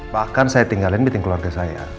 bahkan saya tinggalin meeting keluarga saya